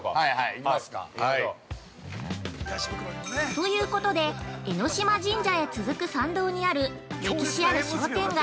◆ということで、江島神社へ続く参道にある歴史ある商店街